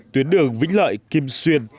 tuyến đường vĩnh lợi kim xuyên